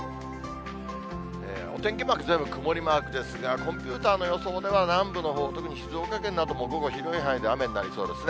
お天気マーク、全部曇りマークですが、コンピューターの予想では、南部のほう、特に静岡県なども午後、広い範囲で雨になりそうですね。